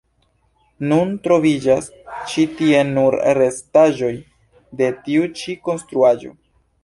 Nun troviĝas ĉi tie nur restaĵoj de tiu ĉi konstruaĵo.